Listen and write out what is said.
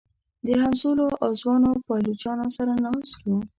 د همزولو او ځوانو پایلوچانو سره ناست و.